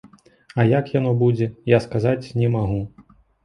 А як яно будзе, я сказаць не магу.